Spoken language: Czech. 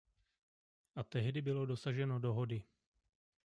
A tehdy bylo dosaženo dohody.